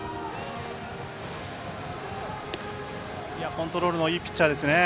コントロールのいいピッチャーですね。